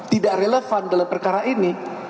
tidak relevan dalam perkara ini